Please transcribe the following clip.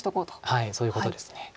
はいそういうことです。